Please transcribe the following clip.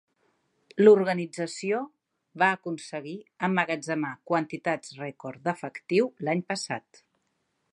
L'organització va aconseguir emmagatzemar quantitats rècord d'efectiu l'any passat.